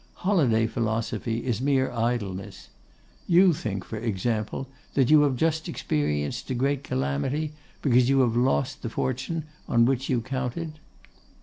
Holiday philosophy is mere idleness. You think, for example, that you have just experienced a great calamity, because you have lost the fortune on which you counted?